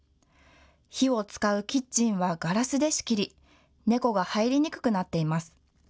火を使うキッチンはガラスで仕切り猫が入りにくくなっています。